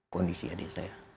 kondisi adik saya